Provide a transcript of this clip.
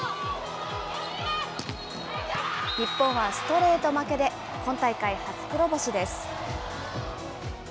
日本はストレート負けで、今大会初黒星です。